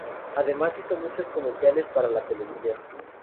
Además hizo muchos comerciales para la televisión.